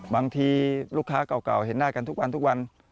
บางทีลูกค้าเก่าเห็นหน้ากันทุกวันทุกวัน